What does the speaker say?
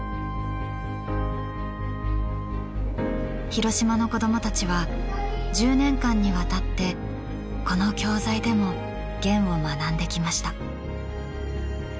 広島の子どもたちは１０年間にわたってこの教材でも『ゲン』を学んできました。